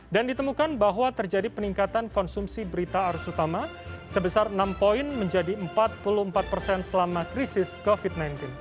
dan ditemukan bahwa terjadi peningkatan konsumsi berita arus utama sebesar enam poin menjadi empat puluh empat selama krisis covid sembilan belas